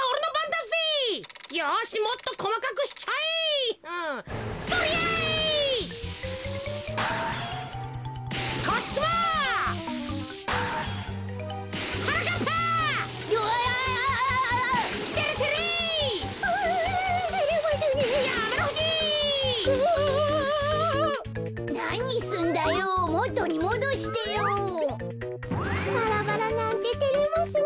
バラバラなんててれますね。